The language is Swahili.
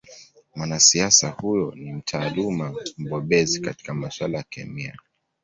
Mwanasiasa huyo ni mtaaluma mbobezi katika masuala ya kemia